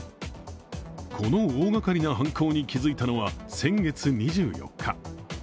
この大がかりな犯行に気づいたのは先月２４日。